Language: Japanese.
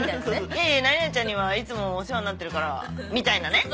「いやいや何々ちゃんにはいつもお世話になってるから」みたいなね。